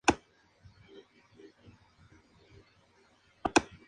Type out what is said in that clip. Como punto negativo destacaba la irracional disposición de la catapulta de popa.